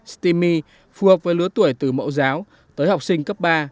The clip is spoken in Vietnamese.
steami phù hợp với lứa tuổi từ mẫu giáo tới học sinh cấp ba